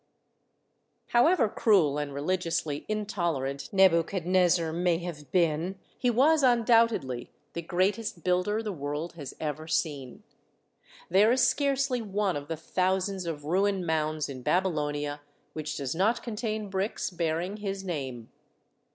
However cruel and religiously intolerant Nebu chadnezzar may have been, he was undoubtedly the greatest builder the world has ever seen. There is scarcely one of the thousands of ruin mounds in Babylonia which does not contain bricks bearing his name.